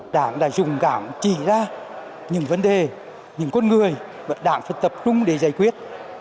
đảng đã dùng cảm chỉ ra những vấn đề những con người mà đảng phải tập trung để giải quyết